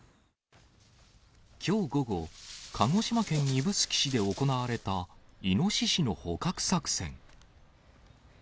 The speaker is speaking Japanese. きょう午後、鹿児島県指宿市で行われたイノシシの捕獲作戦。